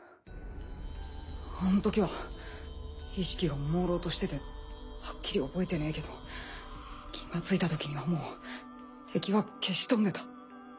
あんときは意識がもうろうとしててはっきり覚えてねえけど気がついたときにはもう敵は消し飛んでた。